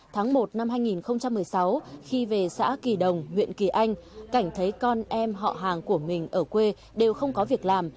tháng một năm hai nghìn một mươi sáu khi về xã kỳ đồng huyện kỳ anh cảnh thấy con em họ hàng của mình ở quê đều không có việc làm